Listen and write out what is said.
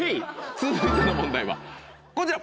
続いての問題はこちら。